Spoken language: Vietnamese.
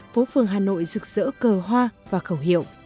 phố phường hà nội rực rỡ cờ hoa và khẩu hiệu